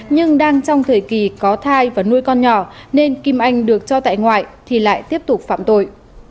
nhưng đang trong thời kỳ có thai và nuôi con nhỏ nên kim anh được cho tại ngoại thì lại tiếp tục phạm tội